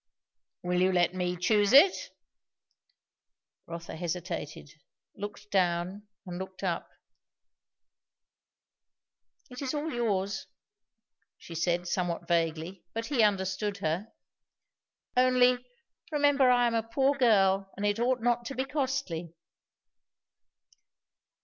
"Will you let me choose it?" Rotha hesitated, looked down and looked up. "It is all yours " she said, somewhat vaguely, but he understood her. "Only, remember that I am a poor girl, and it ought not to be costly."